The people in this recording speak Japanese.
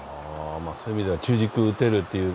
そういう意味では中軸を打てるという。